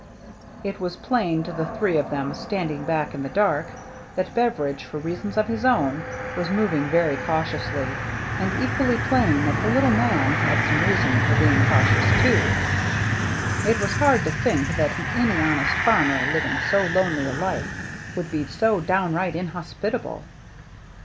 It was plain to the three of them, standing back in the dark, that Beveridge, for reasons of his own, was moving very cautiously, and equally plain that the little man had some reason for being cautious too. It was hard to think that any honest farmer, living so lonely a life, would be so downright inhospitable.